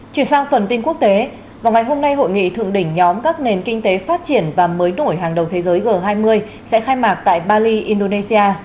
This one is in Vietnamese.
chuyển sang phần tin quốc tế vào ngày hôm nay hội nghị thượng đỉnh nhóm các nền kinh tế phát triển và mới đổi hàng đầu thế giới g hai mươi sẽ khai mạc tại bali indonesia